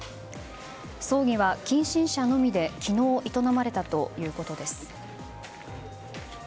葬儀は近親者のみで昨日、営まれたということです。